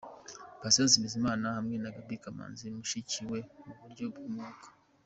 Patient Bizimana hamwe na Gaby Kamanzi mushiki we mu buryo bw'umwuka .